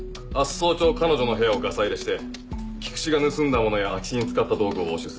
早朝彼女の部屋をガサ入れして菊池が盗んだものや空き巣に使った道具を押収する。